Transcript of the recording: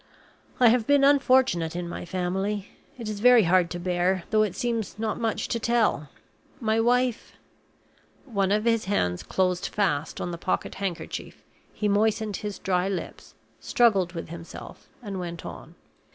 I have been unfortunate in my family. It is very hard to bear, though it seems not much to tell. My wife " One of his hands closed fast on the pocket handkerchief; he moistened his dry lips, struggled with himself, and went on.